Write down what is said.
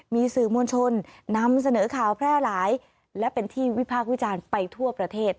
มีสื่อมวลชนนำเสนอข่าวแพร่หลายและเป็นที่วิพากษ์วิจารณ์ไปทั่วประเทศ